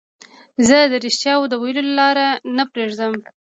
زه د رښتیاوو د ویلو لار نه پريږدم.